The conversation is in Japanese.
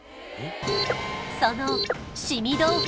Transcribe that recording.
そのしみ豆腐